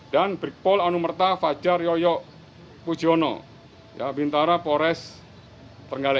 dan brikpol anumerta fajar yoyo pujono ya bintara pores tenggare